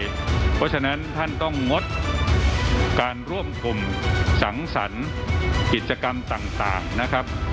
เพราะฉะนั้นท่านต้องงดการร่วมกลุ่มสังสรรค์กิจกรรมต่างนะครับ